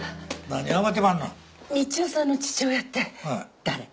道夫さんの父親って誰？